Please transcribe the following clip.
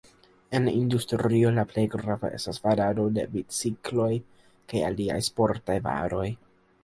En la industrio la plej grava estas farado de bicikloj kaj aliaj sportaj varoj.